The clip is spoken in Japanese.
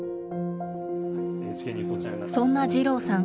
そんな二郎さん